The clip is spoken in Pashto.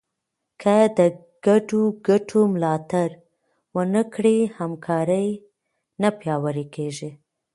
که د ګډو ګټو ملاتړ ونه کړې، همکاري نه پیاوړې کېږي.